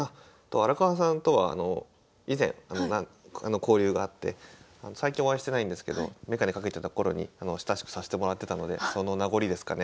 荒川さんとは以前交流があって最近お会いしてないんですけど眼鏡かけてた頃に親しくさせてもらってたのでその名残ですかね。